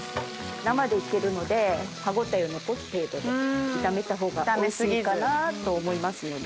生でいけるので歯応えを残す程度で炒めた方がおいしいかなと思いますので。